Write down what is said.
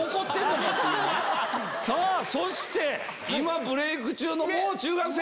そして今ブレイク中のもう中学生！